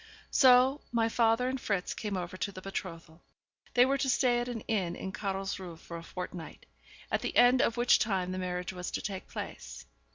So my father and Fritz came over to the betrothal. They were to stay at an inn in Carlsruhe for a fortnight, at the end of which time the marriage was to take place.